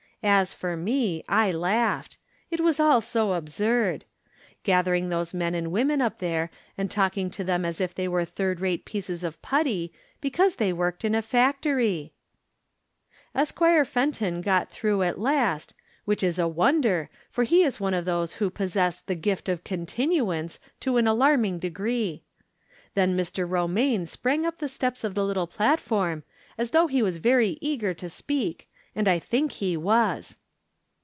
As for me, I laughed ; it was all so absurd ! Gathering those men and women up there and talking to them as if they were third rate pieces of putty, because thej worked in a factory ! Esquire Fenton got through at last, which is a wonder, for he is one of those who possess the " gift of continuance " to an alarming degree. Then Mr. Romaine sprang up the steps of the little platform, as though he was very eager to speak ; and I think he was.